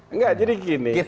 enggak jadi gini